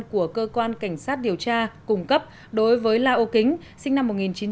của cơ quan cảnh sát điều tra cung cấp đối với la âu kính sinh năm một nghìn chín trăm tám mươi